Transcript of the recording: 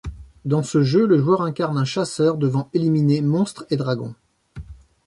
Dans ce jeu, le joueur incarne un chasseur devant éliminer monstres et dragons.